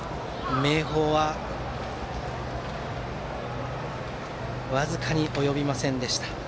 明豊は僅かに及びませんでした。